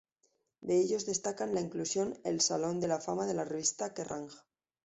De ellos destacan la inclusión al Salón de la Fama de la revista "Kerrang!